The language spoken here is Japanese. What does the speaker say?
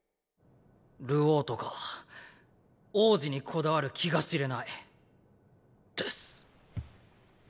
流鶯とか王子にこだわる気が知れないです。